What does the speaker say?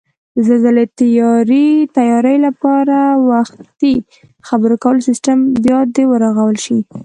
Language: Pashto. د زلزلې تیاري لپاره وختي خبرکولو سیستم بیاد ورغول شي